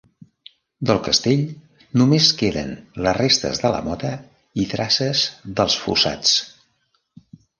Del castell només queden les restes de la mota i traces dels fossats.